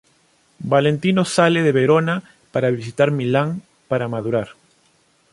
Valentino sale de Verona para visitar Milán para madurar.